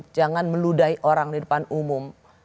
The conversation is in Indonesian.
jangan meludai orang di depan umum